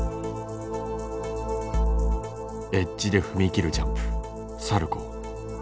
エッジで踏み切るジャンプサルコー。